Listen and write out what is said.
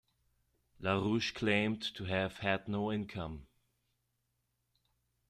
LaRouche claimed to have had no income.